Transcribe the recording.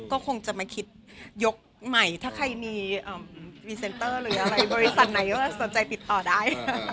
ก็คงจะมาคิดยกใหม่ถ้าใครมีพรีเซนเตอร์หรืออะไรบริษัทไหนก็สนใจติดต่อได้